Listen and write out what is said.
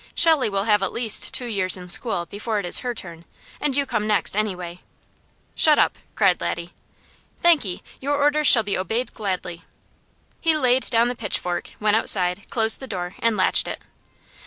Shelley will have at least two years in school before it is her turn, and you come next, anyway." "Shut up!" cried Laddie. "Thanky! Your orders shall be obeyed gladly." He laid down the pitchfork, went outside, closed the door, and latched it.